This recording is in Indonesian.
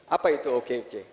apa itu okoc